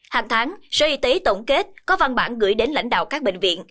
hàng tháng sở y tế tổng kết có văn bản gửi đến lãnh đạo các bệnh viện